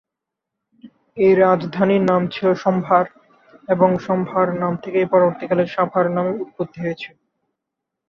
এ রাজধানীর নাম ছিল সম্ভার এবং সম্ভার নাম থেকেই পরবর্তীকালে সাভার নামের উৎপত্তি হয়েছে।